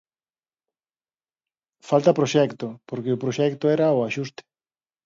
Falta proxecto, porque o proxecto era o axuste.